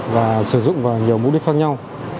và sử dụng vào nhiều mục đích khác nhau